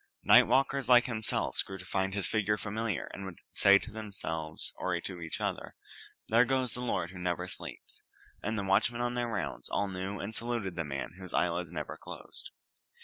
Night walkers like himself grew to find his figure familiar, and would say to themselves, or to each other, "There goes the lord who never sleeps"; and the watchmen on their rounds all knew and saluted the man whose eyelids never closed.